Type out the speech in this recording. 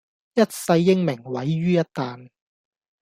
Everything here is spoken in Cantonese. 一世英名毀於一旦